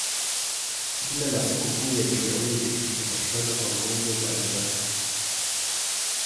Jina la sikukuu ya Kiyahudi linapatikana kwa maumbo mbalimbali.